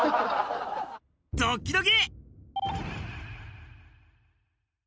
ドキドキ。